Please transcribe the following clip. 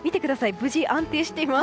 無事、安定しています。